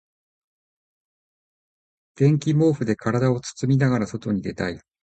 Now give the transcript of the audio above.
電気毛布で体を包みながら外に出たい。